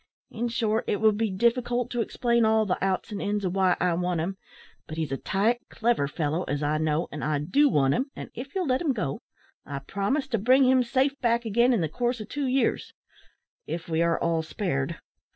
In short, it would be difficult to explain all the outs and ins of why I want him. But he's a tight, clever fellow, as I know, and I do want him, and if you'll let him go, I promise to bring him safe back again in the course of two years if we are all spared.